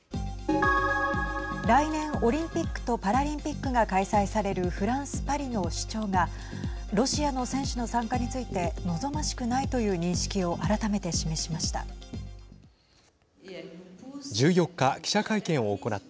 来年オリンピックとパラリンピックが開催されるフランス・パリの市長がロシアの選手の参加について望ましくないという認識を改めて示しました。